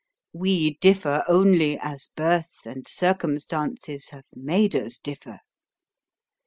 We differ only as birth and circumstances have made us differ.